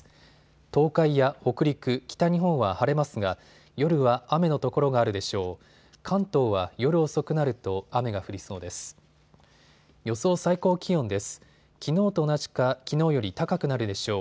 東海や北陸、北日本は晴れますが夜は雨の所があるでしょう。